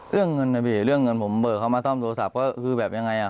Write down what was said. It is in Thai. เรื่องเงินนะพี่เรื่องเงินผมเบิกเขามาซ่อมโทรศัพท์ก็คือแบบยังไงอ่ะ